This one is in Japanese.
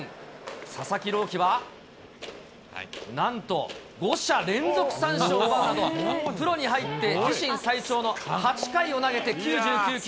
佐々木朗希は、なんと５者連続三振を奪うなど、プロに入って自身最長の８回を投げて９９球。